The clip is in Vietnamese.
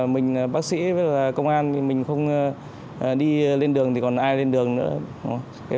mình bác sĩ với công an thì mình không đi lên đường thì còn ai lên đường nữa